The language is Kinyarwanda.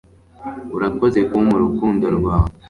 urakoze kumpa urukundo rwawe